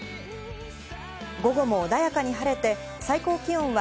午後も穏やかに晴れて、最高気温は